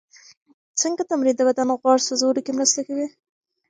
څنګه تمرین د بدن غوړ سوځولو کې مرسته کوي؟